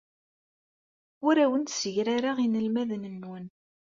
Ur awen-ssegrareɣ inelmaden-nwen.